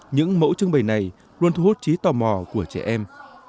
những mẫu trưng bày này luôn thu hút trí tò mò của trẻ em